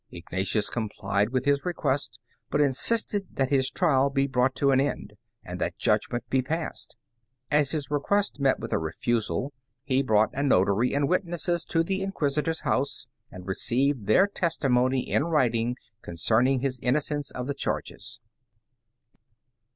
Ignatius complied with his request, but insisted that his trial be brought to an end, and that judgment be passed. As his request met with a refusal, he brought a notary and witnesses to the Inquisitor's house, and received their testimony in writing concerning his innocence of the charges.